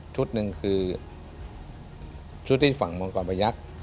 ชุดหนึ่งคือชุดที่ฝั่งมองกรบายักษ์